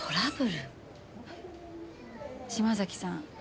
島崎さん